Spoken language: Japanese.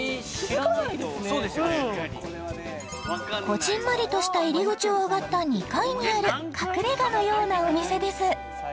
こぢんまりとした入り口を上がった２階にある隠れ家のようなお店です